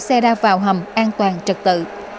xe ra vào hầm an toàn trật tự